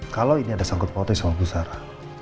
kalau ini ada sanggup pautnya sama bu zara